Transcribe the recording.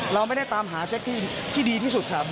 เราไม่ได้ตามหาเซตที่ดีที่สุดครับ